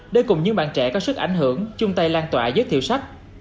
để cùng những bạn trẻ có sức ảnh hưởng chung tay lan tỏa giới thiệu sách